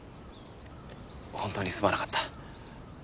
本当にすまなかった。